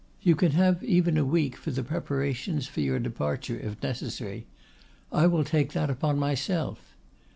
You can have even a week for the preparations for your departure, if necessary. I will take that upon myself.